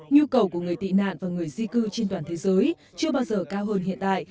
nhu cầu của người tị nạn và người di cư trên toàn thế giới chưa bao giờ cao hơn hiện tại